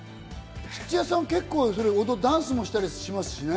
土屋さん、結構ダンスとかしたりしますしね。